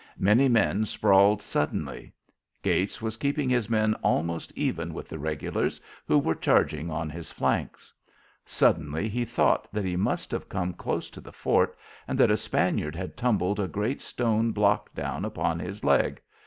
Many men sprawled suddenly. Gates was keeping his men almost even with the regulars, who were charging on his flanks. Suddenly he thought that he must have come close to the fort and that a Spaniard had tumbled a great stone block down upon his leg.